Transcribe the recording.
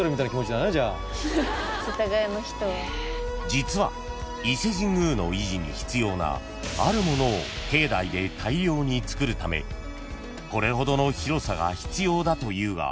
［実は伊勢神宮の維持に必要なあるものを境内で大量につくるためこれほどの広さが必要だというが］